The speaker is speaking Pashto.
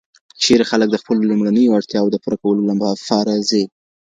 چېري خلګ د خپلو لومړنیو اړتیاوو د پوره کولو لپاره ځي؟